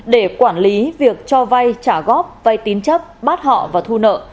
để quản lý việc cho vay trả góp vay tín chấp bắt họ và thu nợ